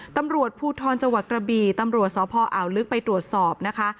ตำรวจภูทรจังหวัดกระบีตำรวจสพอ่าวลึกไปตรวจสอบนะคะ